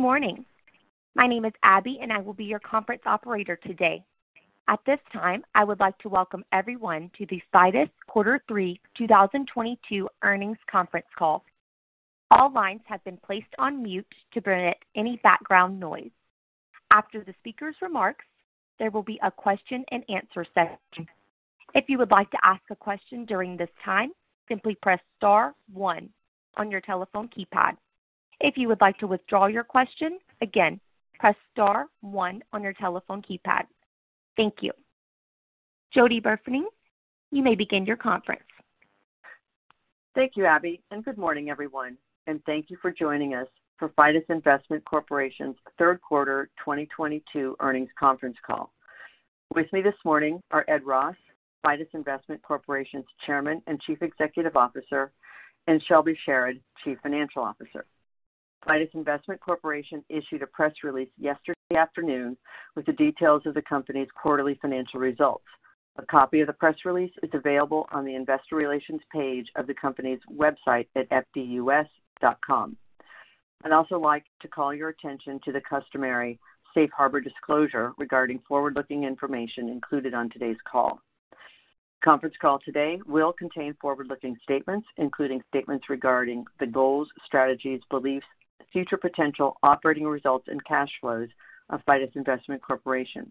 Good morning. My name is Abby, and I will be your conference operator today. At this time, I would like to welcome everyone to the Fidus Q3 2022 Earnings Conference Call. All lines have been placed on mute to prevent any background noise. After the speaker's remarks, there will be a question and answer session. If you would like to ask a question during this time, simply press star one on your telephone keypad. If you would like to withdraw your question, again, press star one on your telephone keypad. Thank you. Jody Burfening, you may begin your conference. Thank you, Abby, and good morning, everyone, and thank you for joining us for Fidus Investment Corporation's Q3 2022 earnings conference call. With me this morning are Ed Ross, Fidus Investment Corporation's Chairman and Chief Executive Officer, and Shelby Sherard, Chief Financial Officer. Fidus Investment Corporation issued a press release yesterday afternoon with the details of the company's quarterly financial results. A copy of the press release is available on the investor relations page of the company's website at fdus.com. I'd also like to call your attention to the customary safe harbor disclosure regarding forward-looking information included on today's call. The conference call today will contain forward-looking statements, including statements regarding the goals, strategies, beliefs, future potential operating results, and cash flows of Fidus Investment Corporation.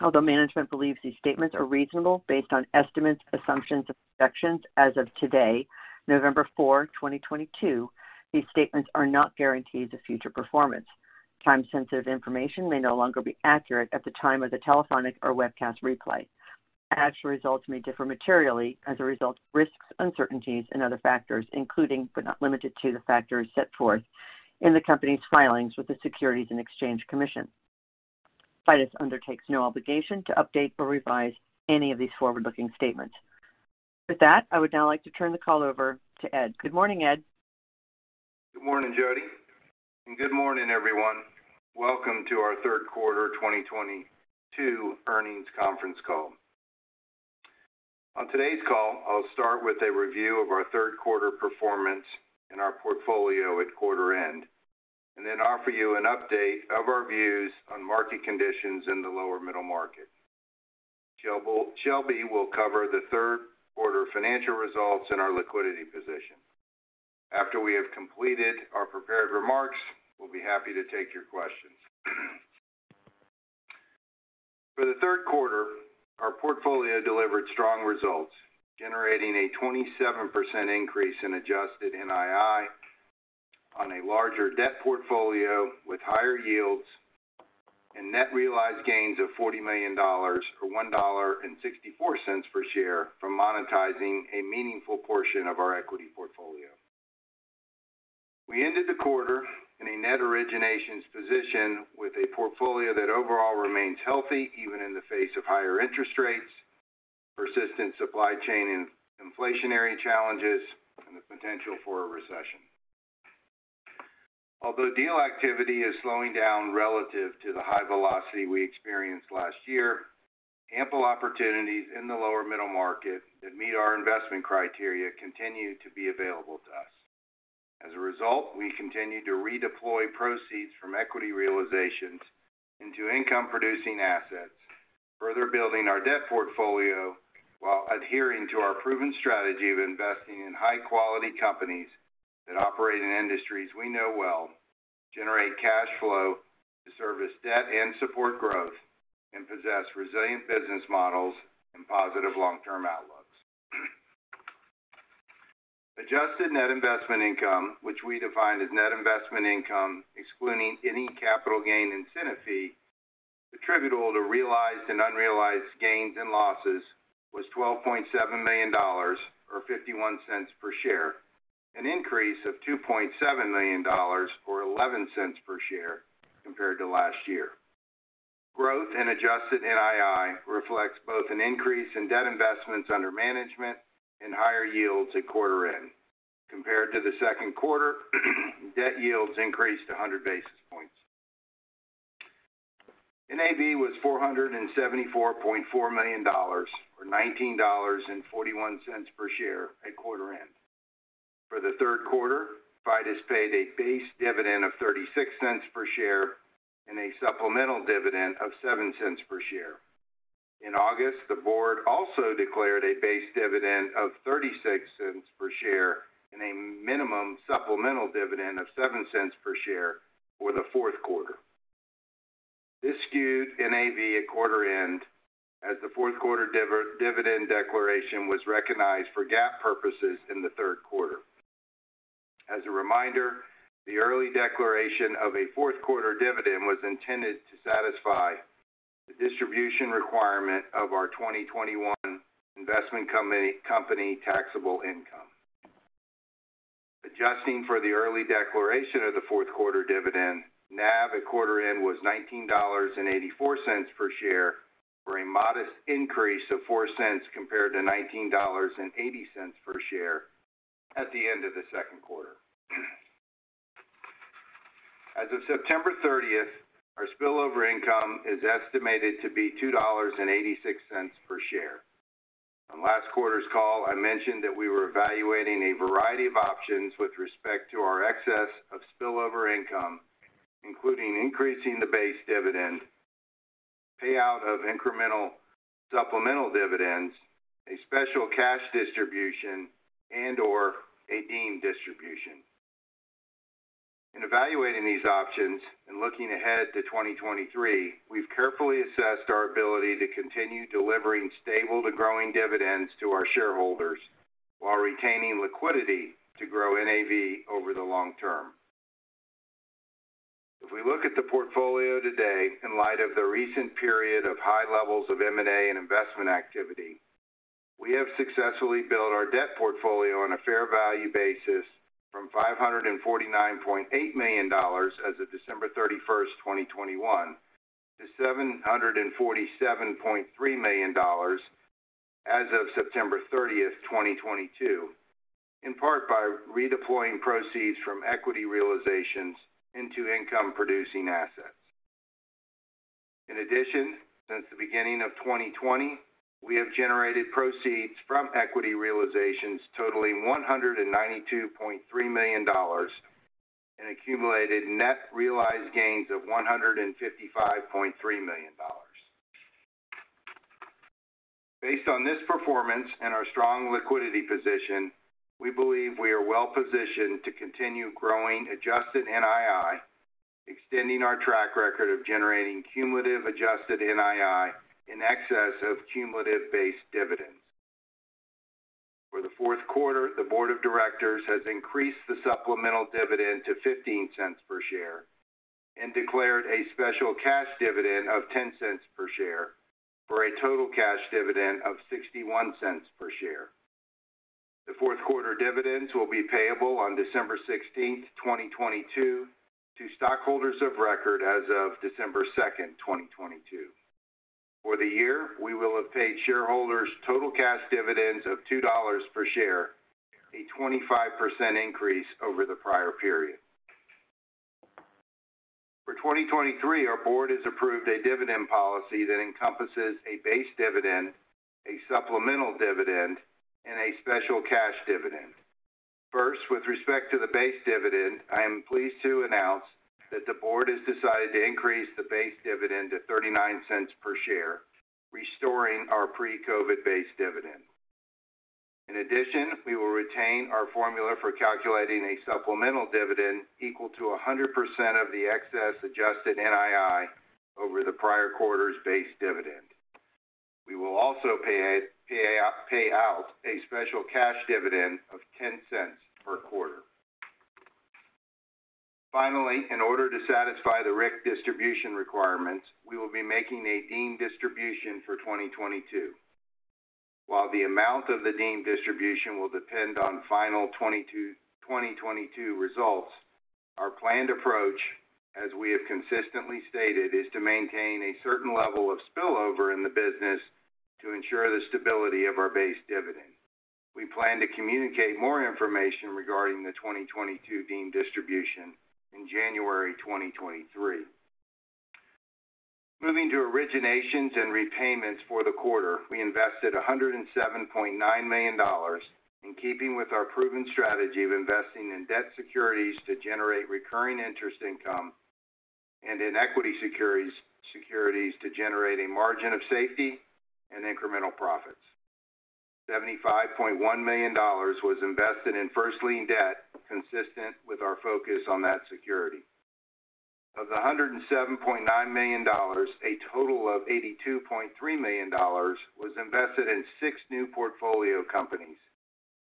Although management believes these statements are reasonable based on estimates, assumptions, and projections as of today, November 4, 2022, these statements are not guarantees of future performance. Time-sensitive information may no longer be accurate at the time of the telephonic or webcast replay. Actual results may differ materially as a result of risks, uncertainties, and other factors, including but not limited to the factors set forth in the company's filings with the Securities and Exchange Commission. Fidus undertakes no obligation to update or revise any of these forward-looking statements. With that, I would now like to turn the call over to Ed. Good morning, Ed. Good morning, Jody, and good morning, everyone. Welcome to our Q3 2022 earnings conference call. On today's call, I'll start with a review of our Q3 performance and our portfolio at quarter end and then offer you an update of our views on market conditions in the lower middle market. Shelby will cover the Q3 financial results and our liquidity position. After we have completed our prepared remarks, we'll be happy to take your questions. For the Q3, our portfolio delivered strong results, generating a 27% increase in adjusted NII on a larger debt portfolio with higher yields and net realized gains of $40 million or $1.64 per share from monetizing a meaningful portion of our equity portfolio. We ended the quarter in a net originations position with a portfolio that overall remains healthy even in the face of higher interest rates, persistent supply chain and inflationary challenges, and the potential for a recession. Although deal activity is slowing down relative to the high velocity we experienced last year, ample opportunities in the lower middle market that meet our investment criteria continue to be available to us. As a result, we continue to redeploy proceeds from equity realizations into income-producing assets, further building our debt portfolio while adhering to our proven strategy of investing in high-quality companies that operate in industries we know well, generate cash flow to service debt and support growth, and possess resilient business models and positive long-term outlooks. Adjusted net investment income, which we define as net investment income excluding any capital gain incentive fee attributable to realized and unrealized gains and losses, was $12.7 million or $0.51 per share, an increase of $2.7 million or $0.11 per share compared to last year. Growth in adjusted NII reflects both an increase in debt investments under management and higher yields at quarter end. Compared to the Q2, debt yields increased 100 basis points. NAV was $474.4 million or $19.41 per share at quarter end. For the Q3, Fidus paid a base dividend of $0.36 per share and a supplemental dividend of $0.07 per share. In August, the board also declared a base dividend of $0.36 per share and a minimum supplemental dividend of $0.07 per share for the Q4. This skewed NAV at quarter end as the Q4 dividend declaration was recognized for GAAP purposes in the Q3. As a reminder, the early declaration of a Q4 dividend was intended to satisfy the distribution requirement of our 2021 investment company taxable income. Adjusting for the early declaration of the Q4 dividend, NAV at quarter end was $19.84 per share, for a modest increase of $0.04 cents compared to $19.80 per share at the end of the Q2. As of September 30, our spillover income is estimated to be $2.86 per share. On last quarter's call, I mentioned that we were evaluating a variety of options with respect to our excess of spillover income, including increasing the base dividend, payout of incremental supplemental dividends, a special cash distribution, and/or a deemed distribution. In evaluating these options and looking ahead to 2023, we've carefully assessed our ability to continue delivering stable to growing dividends to our shareholders while retaining liquidity to grow NAV over the long term. If we look at the portfolio today in light of the recent period of high levels of M&A and investment activity, we have successfully built our debt portfolio on a fair value basis from $549.8 million as of December 31, 2021, to $747.3 million as of September 30, 2022, in part by redeploying proceeds from equity realizations into income-producing assets. In addition, since the beginning of 2020, we have generated proceeds from equity realizations totaling $192.3 million and accumulated net realized gains of $155.3 million. Based on this performance and our strong liquidity position, we believe we are well-positioned to continue growing adjusted NII, extending our track record of generating cumulative adjusted NII in excess of cumulative base dividends. For the Q4, the board of directors has increased the supplemental dividend to $0.15 per share and declared a special cash dividend of $0.10 per share for a total cash dividend of $0.61 per share. The Q4 dividends will be payable on December 16, 2022 to stockholders of record as of December 2, 2022. For the year, we will have paid shareholders total cash dividends of $2 per share, a 25% increase over the prior period. For 2023, our board has approved a dividend policy that encompasses a base dividend, a supplemental dividend, and a special cash dividend. First, with respect to the base dividend, I am pleased to announce that the board has decided to increase the base dividend to $0.39 per share, restoring our pre-COVID base dividends. In addition, we will retain our formula for calculating a supplemental dividend equal to 100% of the excess adjusted NII over the prior quarter's base dividend. We will also pay out a special cash dividend of $0.10 per quarter. Finally, in order to satisfy the RIC distribution requirements, we will be making a deemed distribution for 2022. While the amount of the deemed distribution will depend on final 2022 results, our planned approach, as we have consistently stated, is to maintain a certain level of spillover in the business to ensure the stability of our base dividend. We plan to communicate more information regarding the 2022 deemed distribution in January 2023. Moving to originations and repayments for the quarter. We invested $107.9 million in keeping with our proven strategy of investing in debt securities to generate recurring interest income and in equity securities to generate a margin of safety and incremental profits. $75.1 million was invested in first lien debt, consistent with our focus on that security. Of the $107.9 million, a total of $82.3 million was invested in six new portfolio companies,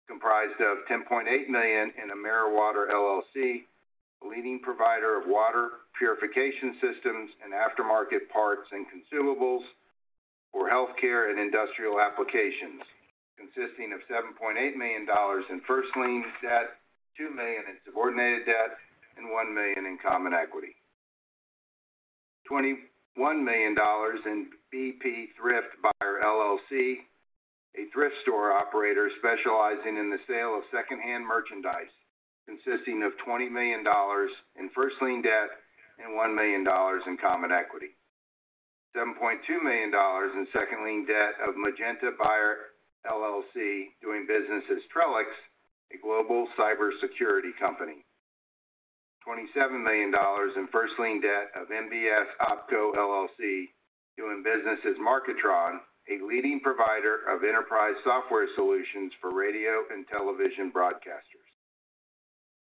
comprised of $10.8 million in AmeriWater LLC, a leading provider of water purification systems and aftermarket parts and consumables for healthcare and industrial applications. Consisting of $7.8 million in first lien debt, $2 million in subordinated debt, and $1 million in common equity. $21 million in BP Thrift Buyer LLC, a thrift store operator specializing in the sale of secondhand merchandise, consisting of $20 million in first lien debt and $1 million in common equity. $7.2 million in second lien debt of Magenta Buyer LLC, doing business as Trellix, a global cybersecurity company. $27 million in first lien debt of MBS OpCo, LLC, doing business as Marketron, a leading provider of enterprise software solutions for radio and television broadcasters.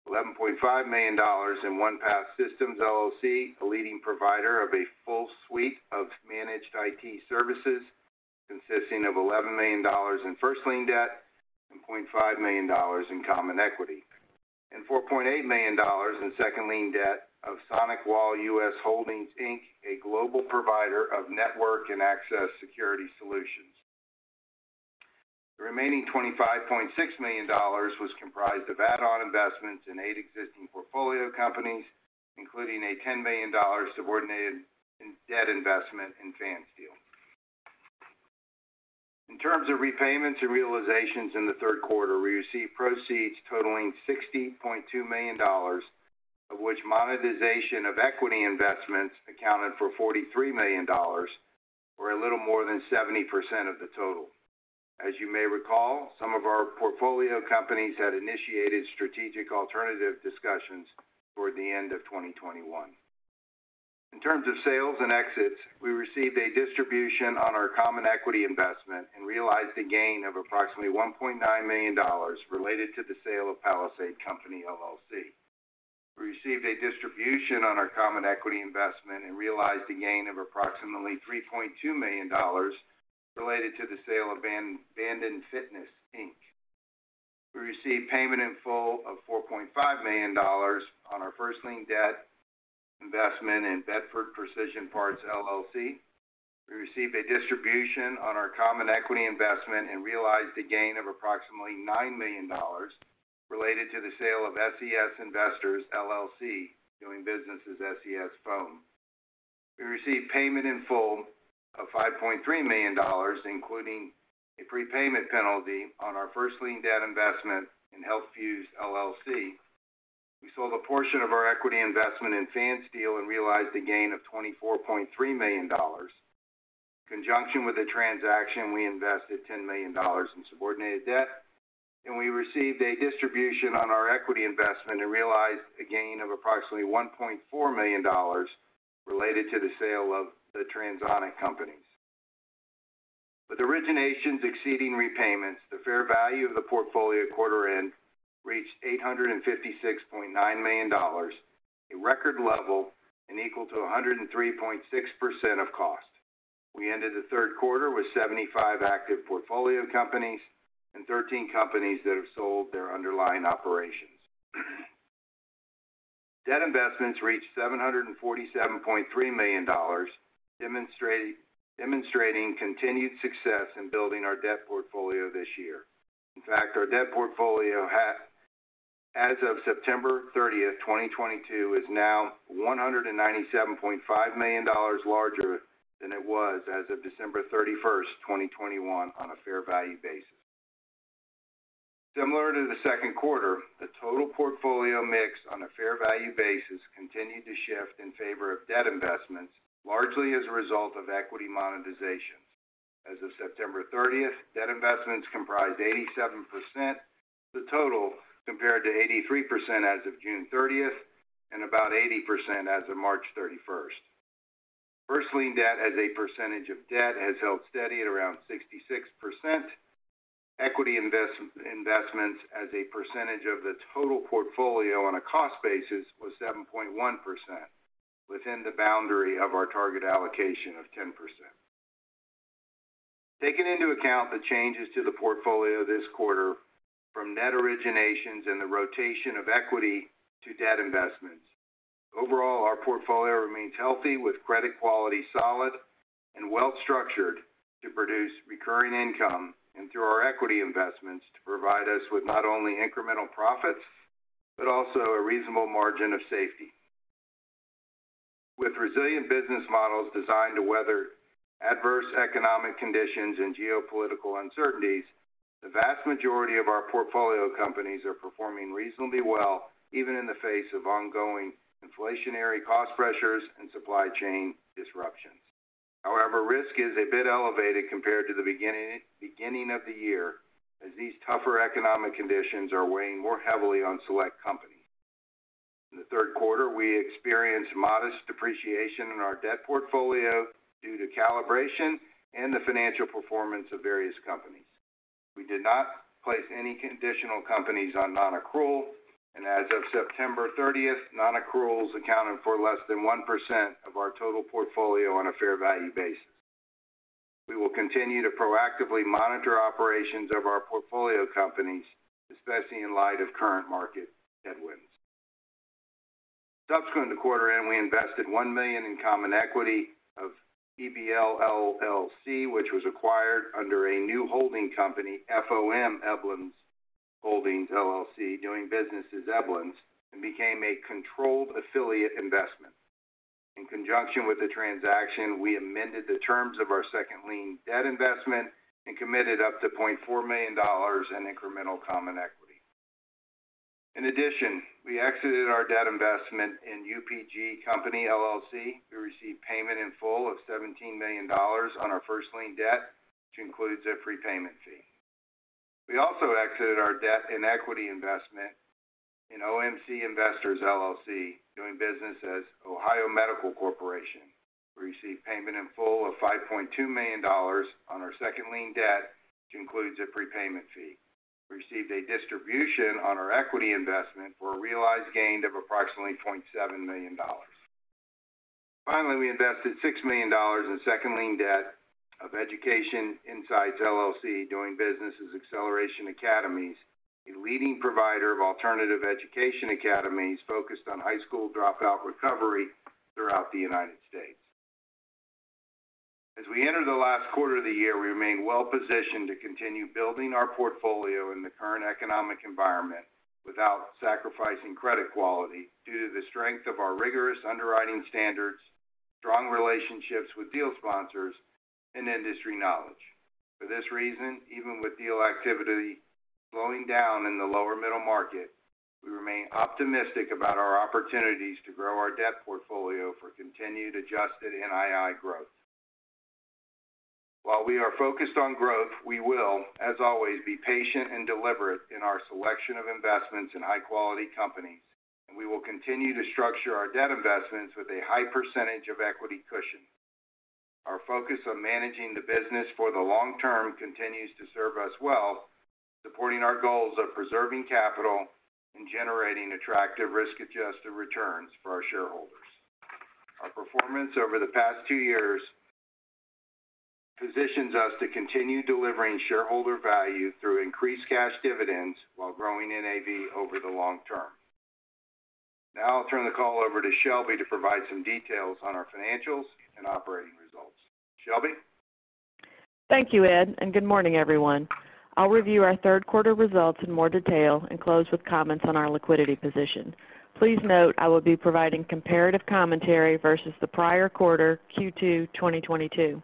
$11.5 million in Onepath Systems, LLC, a leading provider of a full suite of managed IT services consisting of $11 million in first lien debt and $0.5 million in common equity. $4.8 million in second lien debt of SonicWall US Holdings, Inc., a global provider of network and access security solutions. The remaining $25.6 million was comprised of add-on investments in eight existing portfolio companies, including a $10 million subordinated debt investment in Fansteel. In terms of repayments and realizations in the Q3, we received proceeds totaling $60.2 million. Of which monetization of equity investments accounted for $43 million or a little more than 70% of the total. As you may recall, some of our portfolio companies had initiated strategic alternative discussions toward the end of 2021. In terms of sales and exits, we received a distribution on our common equity investment and realized a gain of approximately $1.9 million related to the sale of Palisade Company, LLC. We received a distribution on our common equity investment and realized a gain of approximately $3.2 million related to the sale of Banden Fitness Inc. We received payment in full of $4.5 million on our first lien debt investment in Bedford Precision Parts LLC. We received a distribution on our common equity investment and realized a gain of approximately $9 million related to the sale of SES Investors LLC, doing business as SES Foam. We received payment in full of $5.3 million, including a prepayment penalty on our first lien debt investment in Healthfuse, LLC. We sold a portion of our equity investment in Fansteel and realized a gain of $24.3 million. In conjunction with the transaction, we invested $10 million in subordinated debt, and we received a distribution on our equity investment and realized a gain of approximately $1.4 million related to the sale of The Tranzonic Companies. With originations exceeding repayments, the fair value of the portfolio at quarter end reached $856.9 million, a record level and equal to 103.6% of cost. We ended the Q3 with 75 active portfolio companies and 13 companies that have sold their underlying operations. Debt investments reached $747.3 million, demonstrating continued success in building our debt portfolio this year. In fact, our debt portfolio as of September 30, 2022, is now $197.5 million larger than it was as of December 31, 2021, on a fair value basis. Similar to the Q2, the total portfolio mix on a fair value basis continued to shift in favor of debt investments, largely as a result of equity monetization. As of September 30, debt investments comprised 87% of the total compared to 83% as of June 30 and about 80% as of March 31. First lien debt as a percentage of debt has held steady at around 66%. Equity investments as a percentage of the total portfolio on a cost basis was 7.1% within the boundary of our target allocation of 10%. Taking into account the changes to the portfolio this quarter from net originations and the rotation of equity to debt investments. Overall, our portfolio remains healthy with credit quality solid and well-structured to produce recurring income and through our equity investments to provide us with not only incremental profits, but also a reasonable margin of safety. With resilient business models designed to weather adverse economic conditions and geopolitical uncertainties, the vast majority of our portfolio companies are performing reasonably well, even in the face of ongoing inflationary cost pressures and supply chain disruptions. However, risk is a bit elevated compared to the beginning of the year as these tougher economic conditions are weighing more heavily on select companies. In the Q3, we experienced modest depreciation in our debt portfolio due to calibration and the financial performance of various companies. We did not place any conditional companies on non-accrual, and as of September thirtieth, non-accruals accounted for less than 1% of our total portfolio on a fair value basis. We will continue to proactively monitor operations of our portfolio companies, especially in light of current market headwinds. Subsequent to quarter end, we invested $1 million in common equity of EBL, LLC, which was acquired under a new holding company, FOM Eblens Holdings, LLC, doing business as EbLens, and became a controlled affiliate investment. In conjunction with the transaction, we amended the terms of our second lien debt investment and committed up to $0.4 million in incremental common equity. In addition, we exited our debt investment in UPG Company, LLC. We received payment in full of $17 million on our first lien debt, which includes a prepayment fee. We also exited our debt and equity investment in OMC Investors, LLC, doing business as Ohio Medical Corporation. We received payment in full of $5.2 million on our second lien debt, which includes a prepayment fee. We received a distribution on our equity investment for a realized gain of approximately $0.7 million. Finally, we invested $6 million in second lien debt of Education Insights, LLC, doing business as Acceleration Academies, a leading provider of alternative education academies focused on high school dropout recovery throughout the United States. As we enter the last quarter of the year, we remain well-positioned to continue building our portfolio in the current economic environment without sacrificing credit quality due to the strength of our rigorous underwriting standards, strong relationships with deal sponsors, and industry knowledge. For this reason, even with deal activity slowing down in the lower middle market, we remain optimistic about our opportunities to grow our debt portfolio for continued adjusted NII growth. While we are focused on growth, we will, as always, be patient and deliberate in our selection of investments in high-quality companies, and we will continue to structure our debt investments with a high percentage of equity cushion. Our focus on managing the business for the long term continues to serve us well, supporting our goals of preserving capital and generating attractive risk-adjusted returns for our shareholders. Our performance over the past two years positions us to continue delivering shareholder value through increased cash dividends while growing NAV over the long term. Now I'll turn the call over to Shelby to provide some details on our financials and operating results. Shelby? Thank you, Ed, and good morning, everyone. I'll review our Q3 results in more detail and close with comments on our liquidity position. Please note I will be providing comparative commentary versus the prior quarter, Q2 2022.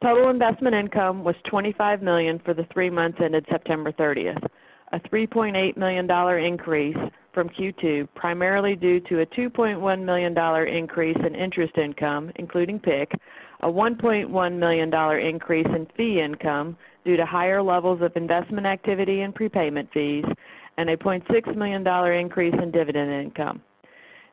Total investment income was $25 million for the three months ended September 30, a $3.8 million increase from Q2, primarily due to a $2.1 million increase in interest income, including PIK, a $1.1 million increase in fee income due to higher levels of investment activity and prepayment fees, and a $0.6 million increase in dividend income.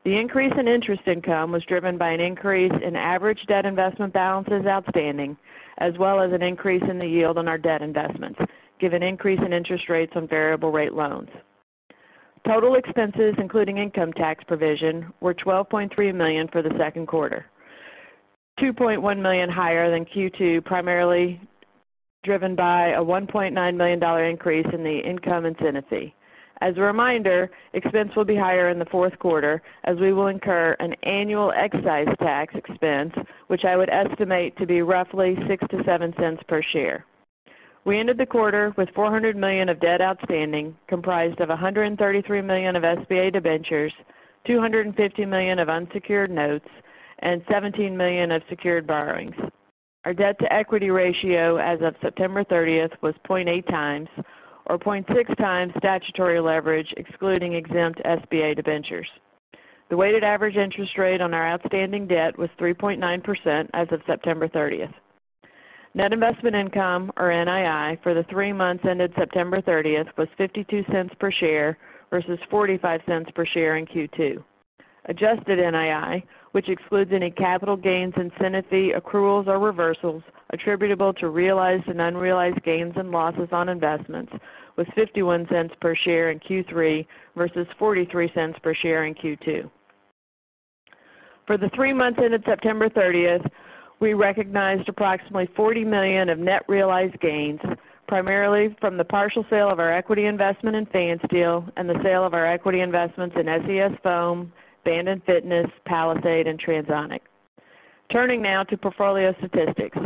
The increase in interest income was driven by an increase in average debt investment balances outstanding, as well as an increase in the yield on our debt investments, given increase in interest rates on variable rate loans. Total expenses, including income tax provision, were $12.3 million for the Q2, $2.1 million higher than Q2, primarily driven by a $1.9 million increase in the income incentive fee. As a reminder, expense will be higher in the Q4 as we will incur an annual excise tax expense, which I would estimate to be roughly $0.06-$0.07 per share. We ended the quarter with $400 million of debt outstanding, comprised of $133 million of SBA debentures, $250 million of unsecured notes, and $17 million of secured borrowings. Our debt-to-equity ratio as of September 30 was 0.8x or 0.6x statutory leverage, excluding exempt SBA debentures. The weighted average interest rate on our outstanding debt was 3.9% as of September 30. Net investment income, or NII, for the three months ended September 30 was $0.52 per share versus $0.45 per share in Q2. Adjusted NII, which excludes any capital gains, incentive fee accruals, or reversals attributable to realized and unrealized gains and losses on investments, was $0.51 per share in Q3 versus $0.43 per share in Q2. For the three months ended September 30, we recognized approximately $40 million of net realized gains, primarily from the partial sale of our equity investment in Fansteel and the sale of our equity investments in SES Foam, Banden Fitness, Palisade, and Tranzonic. Turning now to portfolio statistics.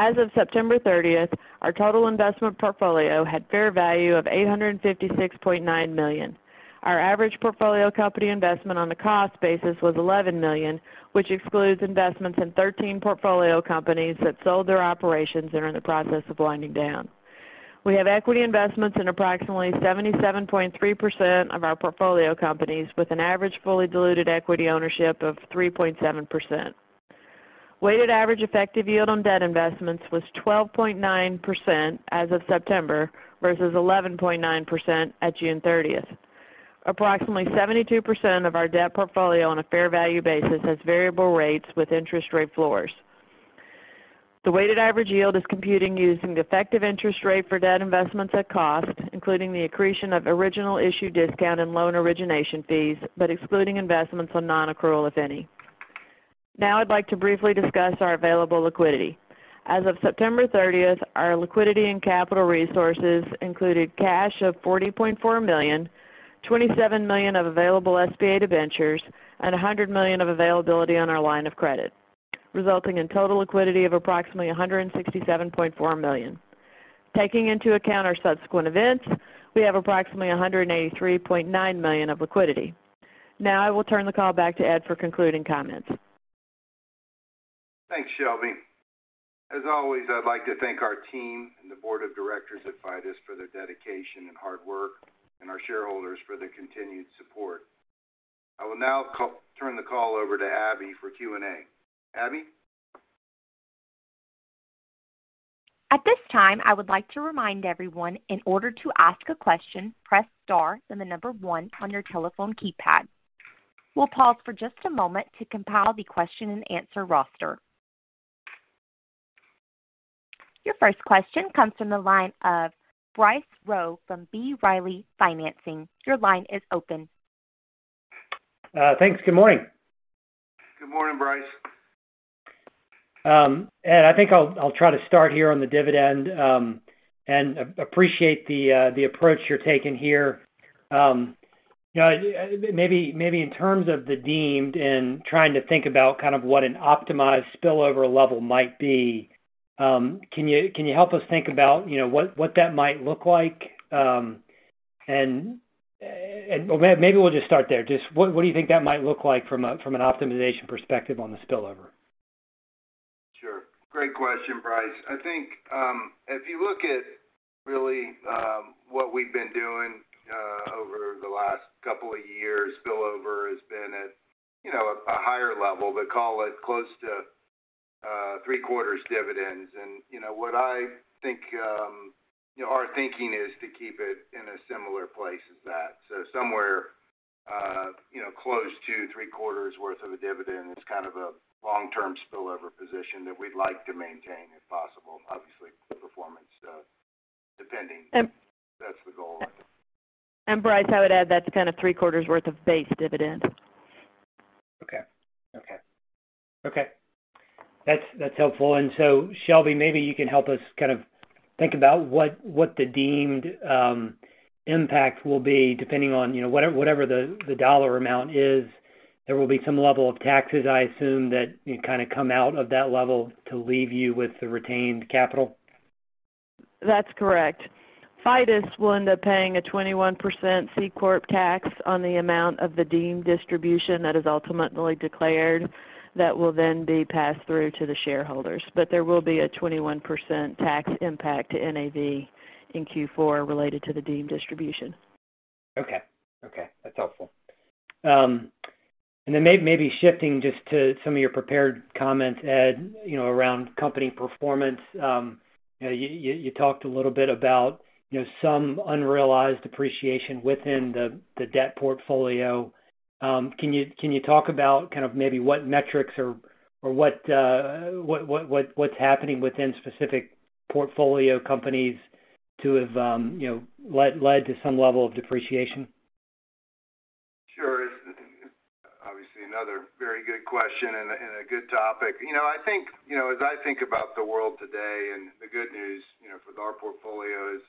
As of September 30, our total investment portfolio had fair value of $856.9 million. Our average portfolio company investment on a cost basis was $11 million, which excludes investments in 13 portfolio companies that sold their operations and are in the process of winding down. We have equity investments in approximately 77.3% of our portfolio companies, with an average fully diluted equity ownership of 3.7%. Weighted average effective yield on debt investments was 12.9% as of September versus 11.9% at June 30. Approximately 72% of our debt portfolio on a fair value basis has variable rates with interest rate floors. The weighted average yield is computed using the effective interest rate for debt investments at cost, including the accretion of original issue discount and loan origination fees, but excluding investments on non-accrual, if any. Now I'd like to briefly discuss our available liquidity. As of September 30, our liquidity and capital resources included cash of $40.4 million, $27 million of available SBA debentures, and $100 million of availability on our line of credit, resulting in total liquidity of approximately $167.4 million. Taking into account our subsequent events, we have approximately $183.9 million of liquidity. Now I will turn the call back to Ed for concluding comments. Thanks, Shelby. As always, I'd like to thank our team and the board of directors at Fidus for their dedication and hard work, and our shareholders for their continued support. I will now turn the call over to Abby for Q&A. Abby? At this time, I would like to remind everyone, in order to ask a question, press star, then the number one on your telephone keypad. We'll pause for just a moment to compile the question and answer roster. Your first question comes from the line of Bryce Rowe from B. Riley Securities. Your line is open. Thanks. Good morning. Good morning, Bryce. Ed, I think I'll try to start here on the dividend, and appreciate the approach you're taking here. You know, maybe in terms of the dividend and trying to think about kind of what an optimized spillover level might be. Can you help us think about, you know, what that might look like? Maybe we'll just start there. Just what do you think that might look like from an optimization perspective on the spillover? Sure. Great question, Bryce. I think, if you look at really, what we've been doing over the last couple of years, spillover has been at, you know, a higher level, but call it close to three-quarters dividends. You know, what I think, our thinking is to keep it in a similar place as that. Somewhere, you know, close to three-quarters worth of a dividend is kind of a long-term spillover position that we'd like to maintain if possible. Obviously, performance depending. That's the goal. Bryce, I would add that's kind of three-quarters worth of base dividend. Okay. That's helpful. Shelby, maybe you can help us kind of think about what the deemed impact will be depending on, you know, whatever the dollar amount is. There will be some level of taxes, I assume, that you kind of come out of that level to leave you with the retained capital. That's correct. Fidus will end up paying a 21% C corp tax on the amount of the deemed distribution that is ultimately declared that will then be passed through to the shareholders. There will be a 21% tax impact to NAV in Q4 related to the deemed distribution. Okay. That's helpful. Maybe shifting just to some of your prepared comments, Ed, you know, around company performance. You talked a little bit about, you know, some unrealized depreciation within the debt portfolio. Can you talk about kind of maybe what metrics or what's happening within specific portfolio companies to have led to some level of depreciation? Sure. Obviously, another very good question and a good topic. You know, I think, you know, as I think about the world today and the good news, you know, with our portfolio is,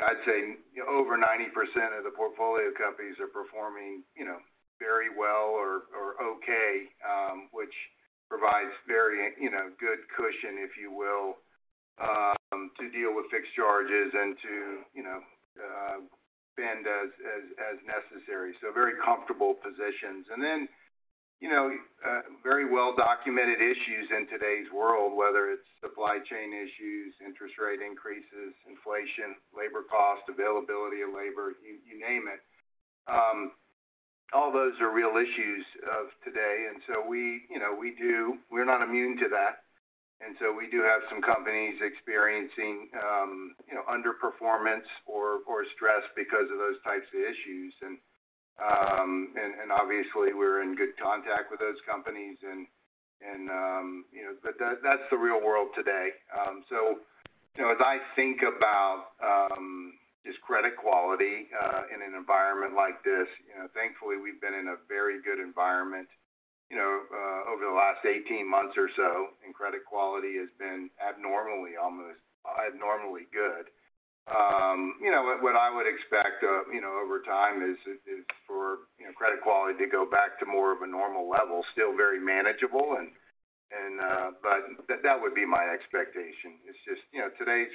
I'd say over 90% of the portfolio companies are performing, you know, very well or okay, which provides very, you know, good cushion, if you will, to deal with fixed charges and to, you know, bend as necessary. Very comfortable positions. You know, very well-documented issues in today's world, whether it's supply chain issues, interest rate increases, inflation, labor cost, availability of labor, you name it. All those are real issues of today. You know, we do we're not immune to that. We do have some companies experiencing underperformance or stress because of those types of issues. Obviously, we're in good contact with those companies. That's the real world today. As I think about just credit quality in an environment like this, you know, thankfully, we've been in a very good environment, you know, over the last 18 months or so, and credit quality has been almost abnormally good. You know, what I would expect, you know, over time is for you know, credit quality to go back to more of a normal level, still very manageable. That would be my expectation. It's just, you know, today's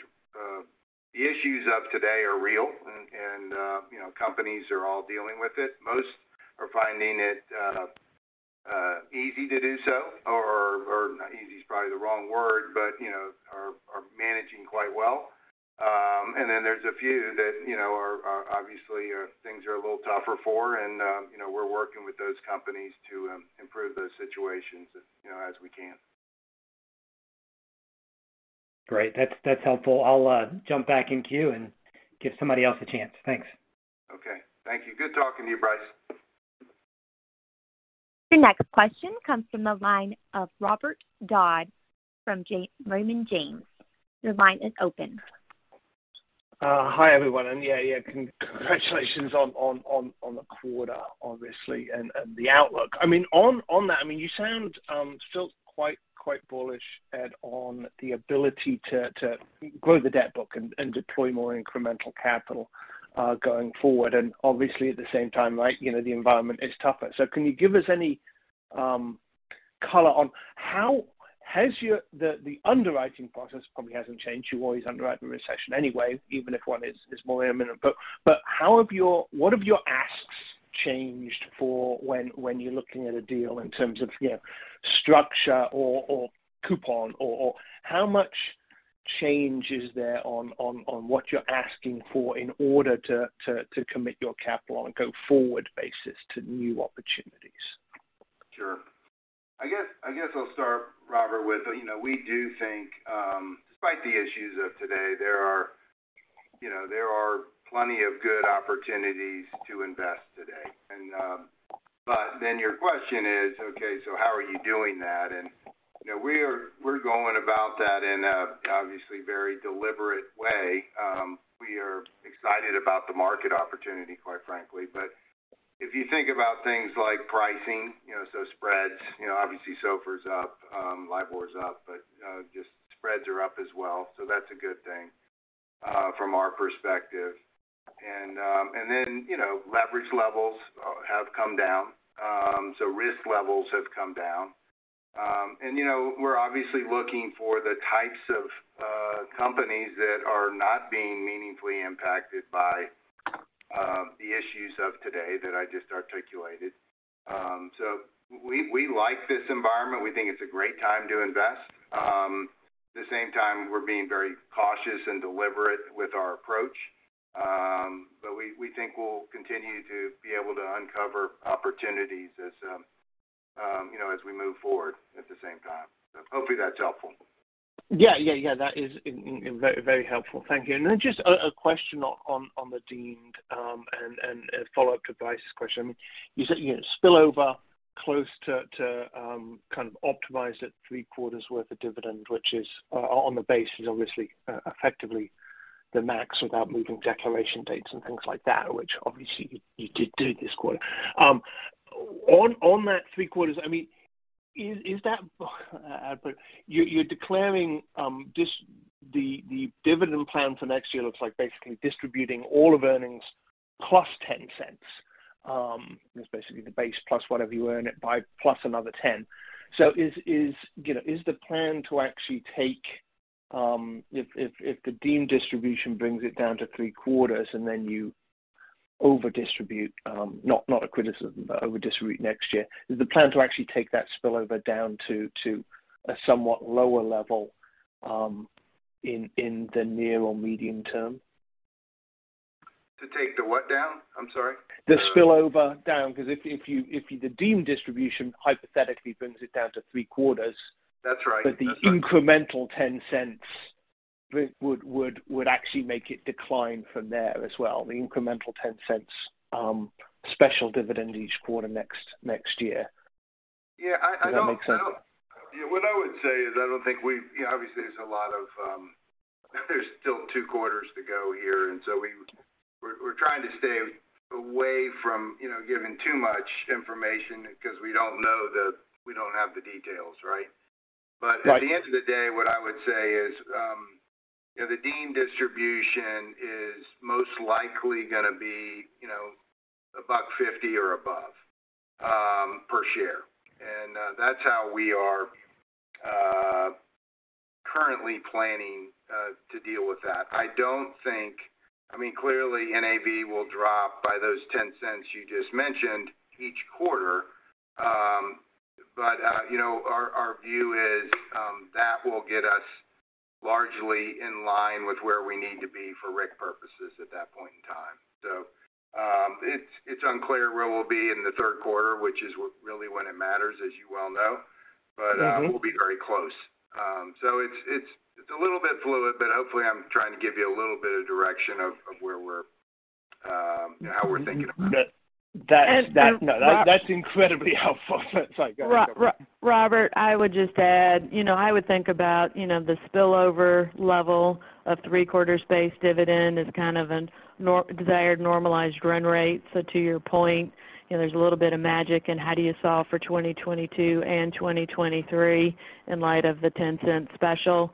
the issues of today are real and, you know, companies are all dealing with it. Most are finding it easy to do so, or easy is probably the wrong word, but, you know, are managing quite well. Then there's a few that, you know, are obviously things are a little tougher for. You know, we're working with those companies to improve those situations as, you know, as we can. Great. That's helpful. I'll jump back in queue and give somebody else a chance. Thanks. Okay. Thank you. Good talking to you, Bryce. Your next question comes from the line of Robert Dodd from Raymond James. Your line is open. Hi, everyone. Yeah, congratulations on the quarter, obviously, and the outlook. I mean, on that, I mean, you sound still quite bullish, Ed, on the ability to grow the debt book and deploy more incremental capital going forward. Obviously, at the same time, right, you know, the environment is tougher. Can you give us any color on how the underwriting process probably hasn't changed? You always underwrite a recession anyway, even if one is more imminent. But how have your asks changed for when you're looking at a deal in terms of, you know, structure or coupon? How much change is there on what you're asking for in order to commit your capital on a go-forward basis to new opportunities? Sure. I guess I'll start, Robert, with, you know, we do think, despite the issues of today, there are, you know, there are plenty of good opportunities to invest today. Then your question is, okay, so how are you doing that? You know, we're going about that in a, obviously, very deliberate way. We are excited about the market opportunity, quite frankly. If you think about things like pricing, you know, so spreads, you know, obviously, SOFR is up, LIBOR is up, but just spreads are up as well. That's a good thing from our perspective. Then, you know, leverage levels have come down. Risk levels have come down. You know, we're obviously looking for the types of companies that are not being meaningfully impacted by the issues of today that I just articulated. We like this environment. We think it's a great time to invest. At the same time, we're being very cautious and deliberate with our approach. We think we'll continue to be able to uncover opportunities as you know, as we move forward at the same time. Hopefully that's helpful. Yeah, that is incredibly helpful. Thank you. Just a question on the dividend, and a follow-up to Bryce's question. You said, you know, spillover close to kind of optimize it three-quarters worth of dividend, which is on the base is obviously effectively the max without moving declaration dates and things like that, which obviously you did do this quarter. On that three quarters, I mean, is that. But you're declaring the dividend plan for next year looks like basically distributing all of earnings +$0.10. That's basically the base plus whatever you earn it by, plus another $0.10. Is you know is the plan to actually take if the deemed distribution brings it down to three quarters and then you over distribute, not a criticism, but over distribute next year. Is the plan to actually take that spill over down to a somewhat lower level in the near or medium term? To take the what down? I'm sorry. The spillover down, 'cause if you, if the deemed distribution hypothetically brings it down to three quarters. That's right. The incremental $0.10 would actually make it decline from there as well, the incremental $0.10 special dividend each quarter next year. Yeah. I don't. Does that make sense? Yeah, what I would say is I don't think we, obviously, there's a lot of, there's still two quarters to go here, and so we're trying to stay away from, you know, giving too much information because we don't know the, we don't have the details, right? Right. At the end of the day, what I would say is, you know, the deemed distribution is most likely gonna be, you know, $1.50 or above per share. That's how we are currently planning to deal with that. I mean, clearly, NAV will drop by those $0.10 you just mentioned each quarter. You know, our view is that will get us largely in line with where we need to be for RIC purposes at that point in time. It's unclear where we'll be in the Q3, which is really when it matters, as you well know. Mm-hmm. We'll be very close. It's a little bit fluid, but hopefully, I'm trying to give you a little bit of direction of how we're thinking about it. That's. Rob No, that's incredibly helpful. Robert, I would just add, you know, I would think about, you know, the spillover level of three-quarters base dividend is kind of a more-desired normalized run rate. To your point, you know, there's a little bit of magic in how do you solve for 2022 and 2023 in light of the $0.10 special.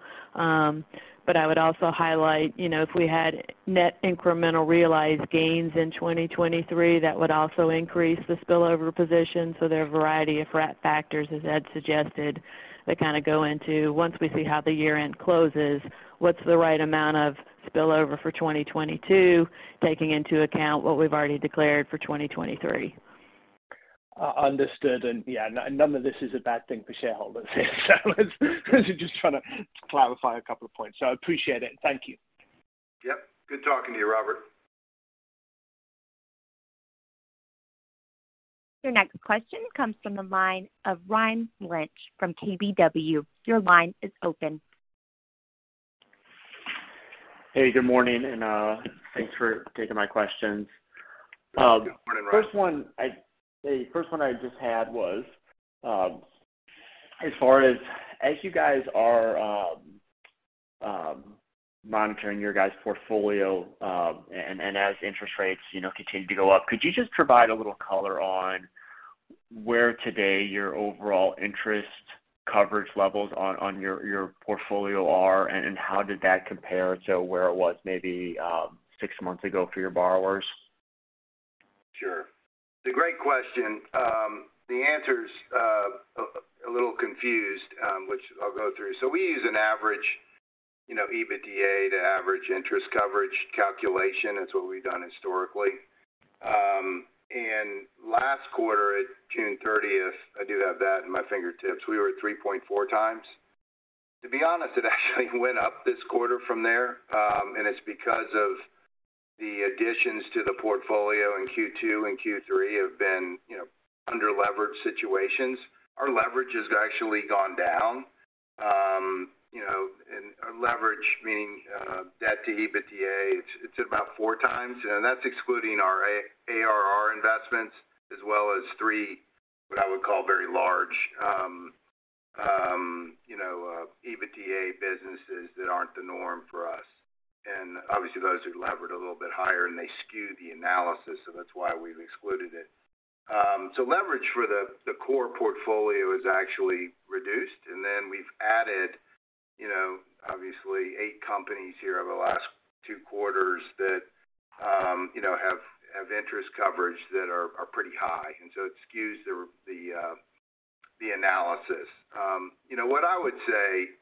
I would also highlight, you know, if we had net incremental realized gains in 2023, that would also increase the spillover position. There are a variety of factors, as Ed suggested, that kind of go into once we see how the year-end closes, what's the right amount of spillover for 2022, taking into account what we've already declared for 2023. Understood. Yeah, none of this is a bad thing for shareholders. 'Cause you're just trying to clarify a couple of points. I appreciate it. Thank you. Yep. Good talking to you, Robert. Your next question comes from the line of Ryan Lynch from KBW. Your line is open. Hey, good morning, and thanks for taking my questions. Good morning, Ryan. The first one I just had was, as far as you guys are monitoring your guys' portfolio, and as interest rates, you know, continue to go up, could you just provide a little color on where today your overall interest coverage levels on your portfolio are, and how did that compare to where it was maybe six months ago for your borrowers? Sure. It's a great question. The answer's a little confused, which I'll go through. We use an average, you know, EBITDA to average interest coverage calculation. That's what we've done historically. Last quarter at June 30, I do have that at my fingertips. We were at 3.4x. To be honest, it actually went up this quarter from there, and it's because of the additions to the portfolio in Q2 and Q3 have been, you know, under-leveraged situations. Our leverage has actually gone down. You know, our leverage, meaning debt to EBITDA, it's about 4x, and that's excluding our ARR investments as well as three, what I would call very large EBITDA businesses that aren't the norm for us. Obviously, those are levered a little bit higher, and they skew the analysis, so that's why we've excluded it. Leverage for the core portfolio is actually reduced. Then we've added, you know, obviously eight companies here over the last two quarters that, you know, have interest coverage that are pretty high, and so it skews the analysis. You know, what I would say is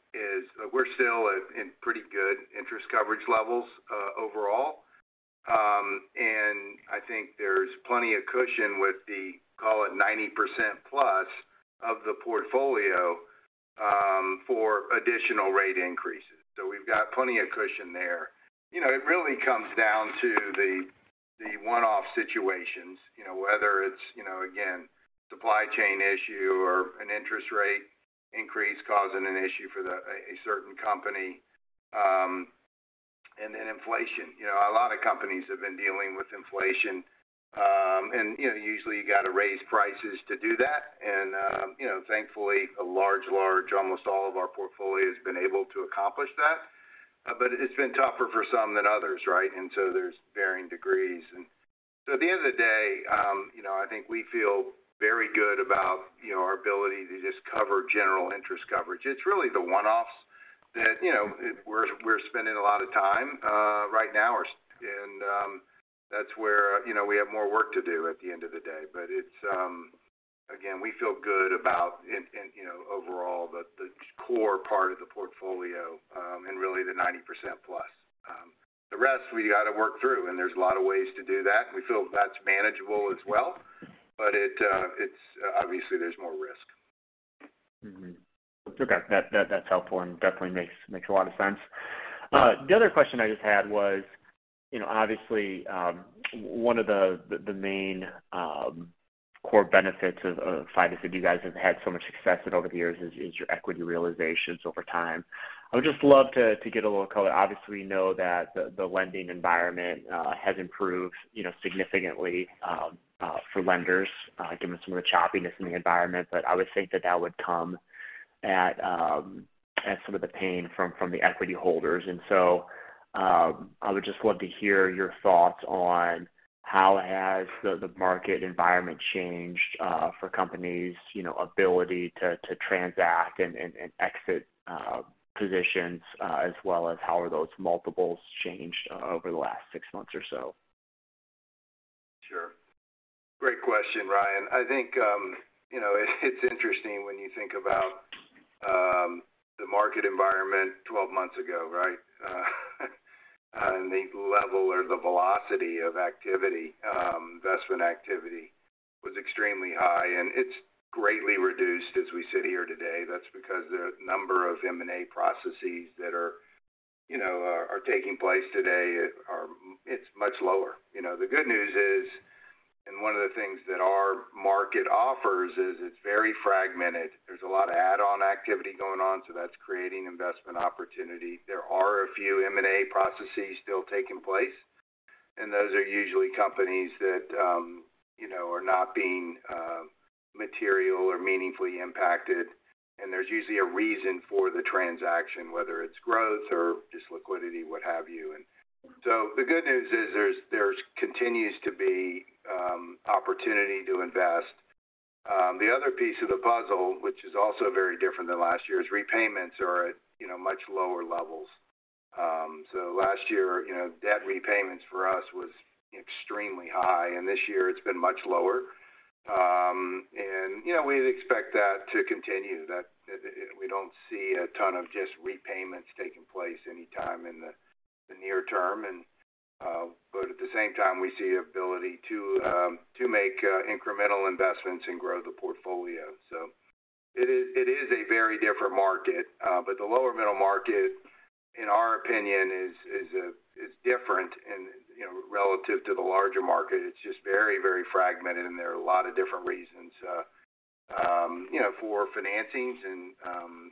we're still in pretty good interest coverage levels overall. I think there's plenty of cushion with the, call it 90%+ of the portfolio, for additional rate increases. We've got plenty of cushion there. You know, it really comes down to the one-off situations, you know, whether it's, you know, again, supply chain issue or an interest rate increase causing an issue for a certain company, and then inflation. You know, a lot of companies have been dealing with inflation, and, you know, usually you gotta raise prices to do that. Thankfully, a large, almost all of our portfolio has been able to accomplish that, but it's been tougher for some than others, right? At the end of the day, you know, I think we feel very good about, you know, our ability to just cover general interest coverage. It's really the one-offs that, you know, we're spending a lot of time right now. That's where, you know, we have more work to do at the end of the day. It's again, we feel good about, and you know, overall, the core part of the portfolio, and really the 90%+. The rest we gotta work through, and there's a lot of ways to do that, and we feel that's manageable as well, but it's. Obviously, there's more risk. Mm-hmm. Okay. That's helpful and definitely makes a lot of sense. The other question I just had was, you know, obviously, one of the main core benefits of Fidus is that you guys have had so much success over the years is your equity realizations over time. I would just love to get a little color. Obviously, we know that the lending environment has improved, you know, significantly, for lenders, given some of the choppiness in the environment, but I would think that that would come at some of the pain from the equity holders. I would just love to hear your thoughts on how the market environment changed for companies' ability to transact and exit positions as well as how those multiples changed over the last six months or so? Sure. Great question, Ryan. I think it's interesting when you think about the market environment 12 months ago, right? The level or the velocity of activity, investment activity was extremely high, and it's greatly reduced as we sit here today. That's because the number of M&A processes that are taking place today is much lower. The good news is, one of the things that our market offers is it's very fragmented. There's a lot of add-on activity going on, so that's creating investment opportunity. There are a few M&A processes still taking place, and those are usually companies that are not being materially or meaningfully impacted, and there's usually a reason for the transaction, whether it's growth or just liquidity, what have you. The good news is there continues to be opportunity to invest. The other piece of the puzzle, which is also very different than last year, is repayments are at, you know, much lower levels. Last year, you know, debt repayments for us was extremely high, and this year it's been much lower. You know, we'd expect that to continue. We don't see a ton of just repayments taking place anytime in the near term. But at the same time, we see ability to make incremental investments and grow the portfolio. It is a very different market. But the lower middle market, in our opinion, is different and, you know, relative to the larger market. It's just very, very fragmented, and there are a lot of different reasons, you know, for financings and,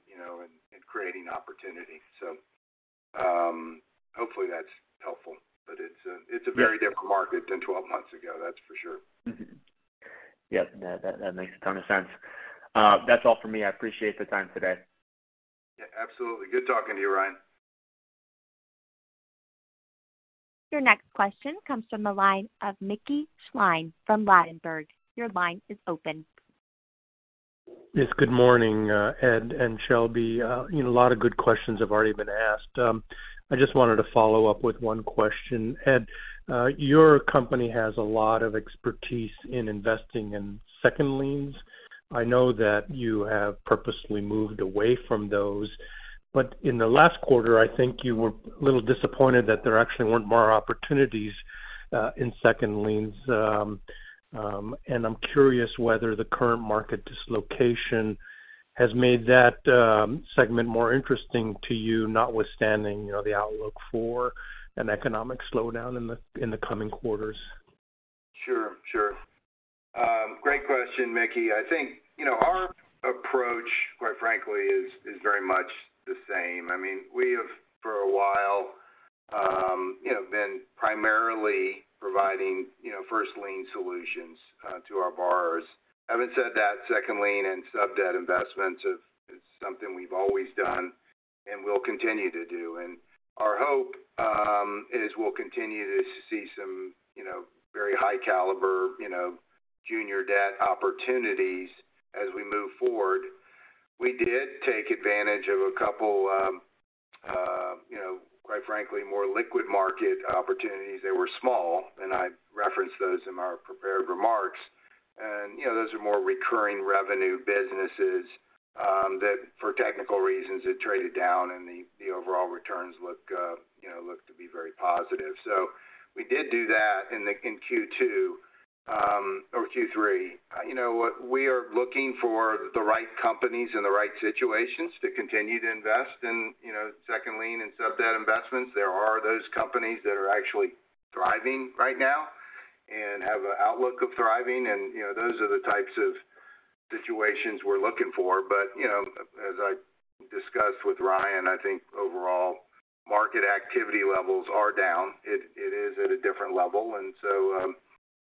you know, and creating opportunity. Hopefully that's helpful, but it's a very different market than 12 months ago, that's for sure. Mm-hmm. Yep. No, that makes a ton of sense. That's all for me. I appreciate the time today. Yeah, absolutely. Good talking to you, Ryan. Your next question comes from the line of Mickey Schleien from Ladenburg Thalmann. Your line is open. Yes, good morning, Ed and Shelby. You know, a lot of good questions have already been asked. I just wanted to follow up with one question. Ed, your company has a lot of expertise in investing in second liens. I know that you have purposely moved away from those. In the last quarter, I think you were a little disappointed that there actually weren't more opportunities in second liens. I'm curious whether the current market dislocation has made that segment more interesting to you, notwithstanding, you know, the outlook for an economic slowdown in the coming quarters. Sure, sure. Great question, Mickey. I think, you know, our approach, quite frankly, is very much the same. I mean, we have, for a while, you know, been primarily providing, you know, first lien solutions to our borrowers. Having said that, second lien and sub debt investments have something we've always done and will continue to do. Our hope is we'll continue to see some, you know, very high caliber, you know, junior debt opportunities as we move forward. We did take advantage of a couple, you know, quite frankly, more liquid market opportunities. They were small, and I referenced those in our prepared remarks. You know, those are more recurring revenue businesses that for technical reasons had traded down and the overall returns look, you know, to be very positive. We did do that in Q2 or Q3. You know what, we are looking for the right companies and the right situations to continue to invest in, you know, second lien and sub-debt investments. There are those companies that are actually thriving right now and have a outlook of thriving and, you know, those are the types of situations we're looking for. You know, as I discussed with Ryan, I think overall market activity levels are down. It is at a different level.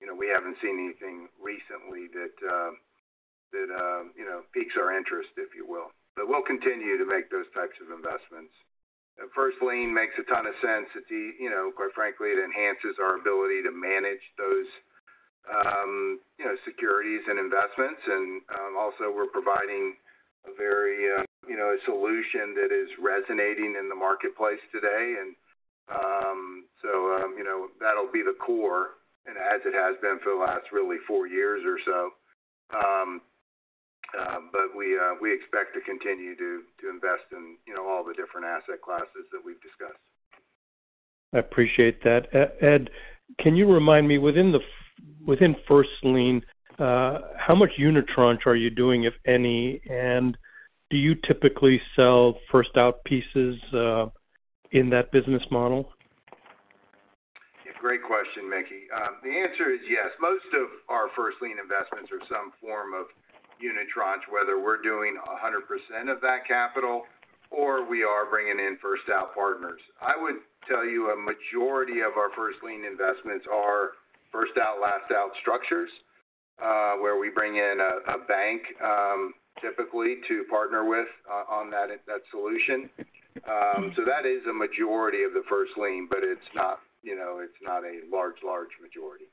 You know, we haven't seen anything recently that you know, piques our interest, if you will. We'll continue to make those types of investments. First lien makes a ton of sense. You know, quite frankly, it enhances our ability to manage those, you know, securities and investments. Also we're providing a very, you know, a solution that is resonating in the marketplace today. You know, that'll be the core and as it has been for the last really four years or so. We expect to continue to invest in, you know, all the different asset classes that we've discussed. I appreciate that. Ed, can you remind me, within first lien, how much unitranche are you doing, if any? And do you typically sell first out pieces, in that business model? Great question, Mickey. The answer is yes. Most of our first lien investments are some form of unitranche, whether we're doing 100% of that capital or we are bringing in first out partners. I would tell you a majority of our first lien investments are first out, last out structures, where we bring in a bank, typically to partner with, on that solution. That is a majority of the first lien, but it's not, you know, it's not a large majority.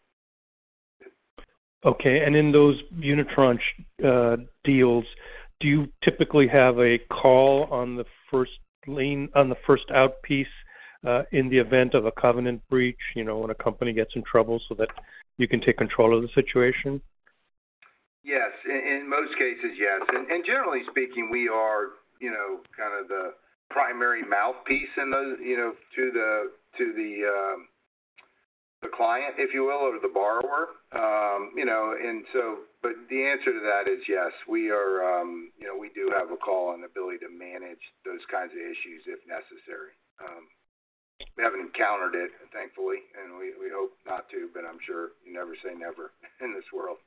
Okay. In those unitranche deals, do you typically have a call on the first lien, on the first out piece, in the event of a covenant breach, you know, when a company gets in trouble so that you can take control of the situation? Yes. In most cases, yes. Generally speaking, we are, you know, kinda the primary mouthpiece in those, you know, to the client, if you will, or the borrower. The answer to that is yes. We do have a call and ability to manage those kinds of issues if necessary. We haven't encountered it, thankfully, and we hope not to. I'm sure you never say never in this world.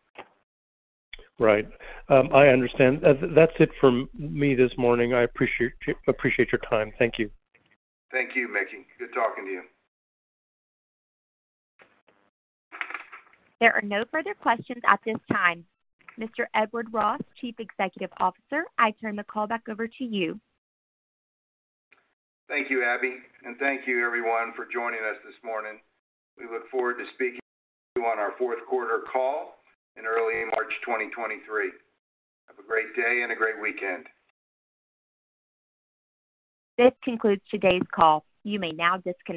Right. I understand. That's it for me this morning. I appreciate your time. Thank you. Thank you, Mickey. Good talking to you. There are no further questions at this time. Mr. Ed Ross, Chief Executive Officer, I turn the call back over to you. Thank you, Abby. Thank you everyone for joining us this morning. We look forward to speaking to you on our Q4 call in early March 2023. Have a great day and a great weekend. This concludes today's call. You may now disconnect.